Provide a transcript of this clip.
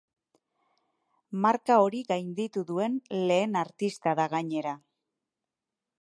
Marka hori gainditu duen lehen artista da, gainera.